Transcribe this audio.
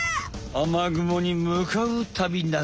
雨雲にむかう旅なんす。